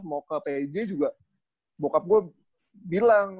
mau ke pej juga bokap gue bilang